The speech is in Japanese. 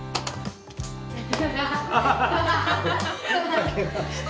負けました。